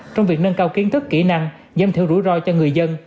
trong việc nâng cao kiến thức kỹ năng giam thiệu rủi roi cho người dân